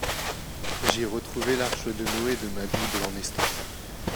J'y retrouvais l'arche de Noe de ma Bible en estampes.